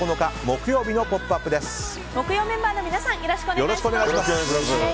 木曜メンバーの皆さんよろしくお願いします。